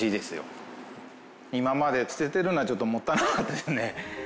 今まで捨ててるのはちょっともったいなかったですね。